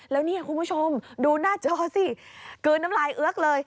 แล้วเนี่ยคุณผู้ชมดูหน้าจอสิกลืนน้ำลายเอือกเลย